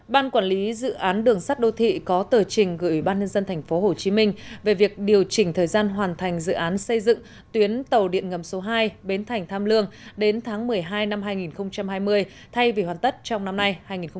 ban quản lý dự án đường sắt đô thị có tờ trình gửi ủy ban nhân dân tp hcm về việc điều chỉnh thời gian hoàn thành dự án xây dựng tuyến tàu điện ngầm số hai bến thành tham lương đến tháng một mươi hai năm hai nghìn hai mươi thay vì hoàn tất trong năm nay hai nghìn hai mươi